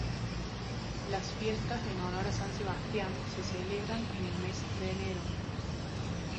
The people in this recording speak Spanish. Las fiestas en honor a San Sebastián se celebran en el mes de enero.